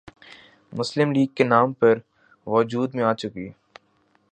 مسلم لیگ کے نام پر وجود میں آ چکی